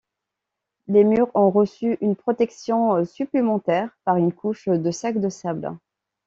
Les murs ont reçu une protection supplémentaire par une couche de sacs de sable.